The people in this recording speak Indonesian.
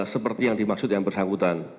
seperti yang dimaksud yang bersangkutan